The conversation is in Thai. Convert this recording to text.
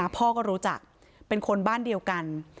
พ่อก็รู้จักเป็นคนบ้านเดียวกัน